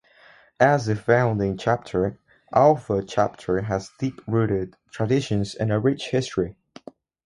As the founding chapter, Alpha Chapter has deep rooted traditions and a rich history.